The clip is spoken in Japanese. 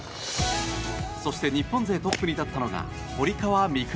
そして日本勢トップに立ったのが堀川未来